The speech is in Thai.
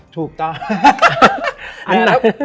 ถูกต้อง